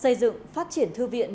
xây dựng phát triển thư viên